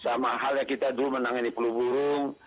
sama hal yang kita dulu menangani peluh burung